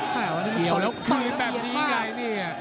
เกี่ยวแล้วคือแบบนี้ไงนี่